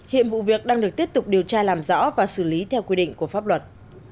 hiện vụ việc đang được tiếp tục điều tra làm rõ và xử lý theo quy định của pháp luật